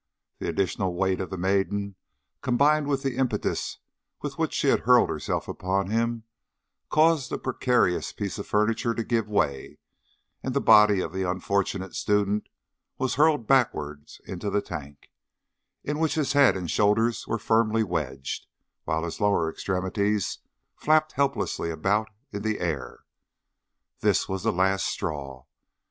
The additional weight of the maiden, combined with the impetus with which she hurled herself upon him, caused the precarious piece of furniture to give way, and the body of the unfortunate student was hurled backwards into the tank, in which his head and shoulders were firmly wedged, while his lower extremities flapped helplessly about in the air. This was the last straw.